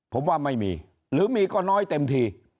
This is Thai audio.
ผมว่าไม่มีหรือมีก็น้อยเต็มที